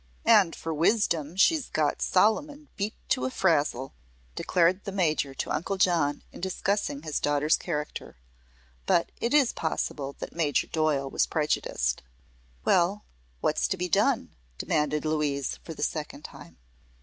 "And for wisdom she's got Solomon beat to a frazzle," declared the Major to Uncle John, in discussing his daughter's character. But it is possible that Major Doyle was prejudiced. "Well, what's to be done?" demanded Louise, for the second time.